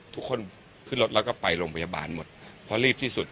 ทุกคนขึ้นรถแล้วก็ไปโรงพยาบาลหมดเพราะรีบที่สุด